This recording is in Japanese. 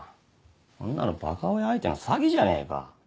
こんなのバカ親相手の詐欺じゃねえか。